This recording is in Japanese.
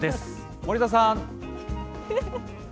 森田さん。